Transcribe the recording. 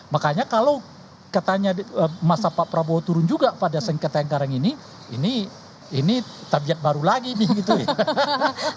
makanya kalau katanya masa pak prabowo turun juga pada sengketa yang karang ini ini tabiat baru lagi nih gitu ya